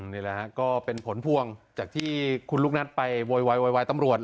นี่แหละก็เป็นผลพวงจากที่คุณลุกนัดไปโวยวายตำรวจ